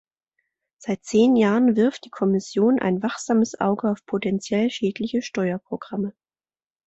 Seit zehn Jahren wirft die Kommission ein wachsames Auge auf potenziell schädliche Steuerprogramme.